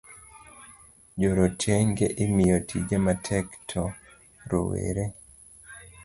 Joretenge imiyo tije matek to rowere